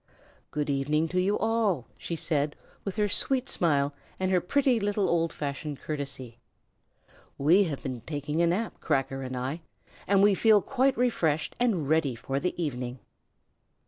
"Good evening to you all!" she said, with her sweet smile and her pretty little old fashioned courtesy. "We have been taking a nap, Cracker and I, and we feel quite refreshed and ready for the evening."